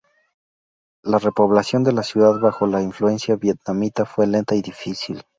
La repoblación de la ciudad bajo la influencia vietnamita fue lenta y difícil.